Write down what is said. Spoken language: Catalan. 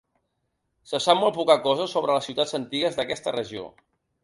Se sap molt poca cosa sobre les ciutats antigues d’aquesta regió.